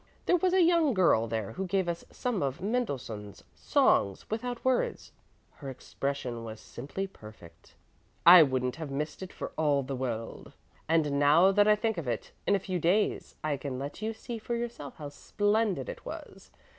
"There was a young girl there who gave us some of Mendelssohn's Songs without Words. Her expression was simply perfect. I wouldn't have missed it for all the world; and now that I think of it, in a few days I can let you see for yourself how splendid it was.